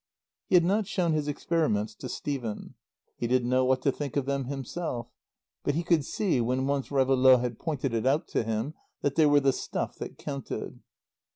He had not shown his experiments to Stephen. He didn't know what to think of them himself. But he could see, when once Réveillaud had pointed it out to him, that they were the stuff that counted.